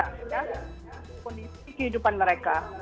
kondisi kehidupan mereka